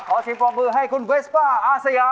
ขอชิงพร้อมมือให้คุณเวสป้าอาสยาม